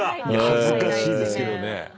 恥ずかしいですけどね。